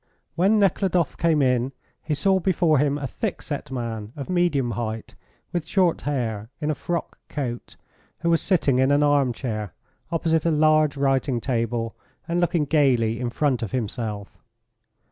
When Nekhludoff came in, he saw before him a thick set man of medium height, with short hair, in a frock coat, who was sitting in an armchair opposite a large writing table, and looking gaily in front of himself.